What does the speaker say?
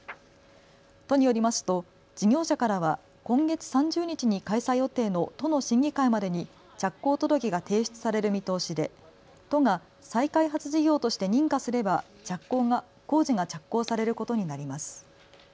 都によりますと事業者からは今月３０日に開催予定の都の審議会までに着工届が提出される見通しで都が再開発事業として認可すれば工事が着工されることになります。